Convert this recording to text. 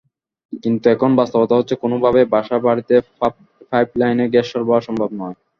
কিন্তু এখন বাস্তবতা হচ্ছে, কোনোভাবেই বাসা-বাড়িতে পাইপলাইনে গ্যাস সরবরাহ সম্ভব নয়।